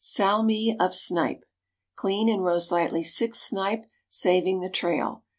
Salmis of Snipe. Clean and roast lightly six snipe, saving the trail.